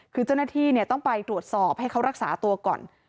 คือเจ้าหน้าที่ต้องไปตรวจสอบให้เขารักษาตัวก่อน